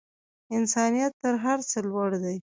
انسانیت تر هر څه لوړ دی.